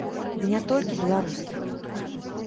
І не толькі беларускіх.